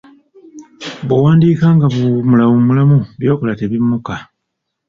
Bw'owandiika nga bw'owummulawummula, by'okola tebimukka.